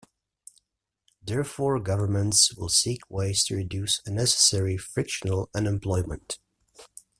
Therefore, governments will seek ways to reduce unnecessary frictional unemployment.